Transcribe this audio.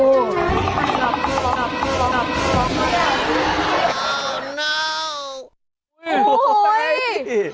อู้้โห้ย